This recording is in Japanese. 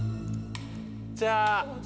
じゃあ。